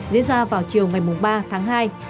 diễn ra vào chiều ba tháng hai